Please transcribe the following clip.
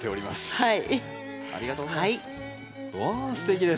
はい。